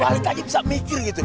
balita aja bisa mikir gitu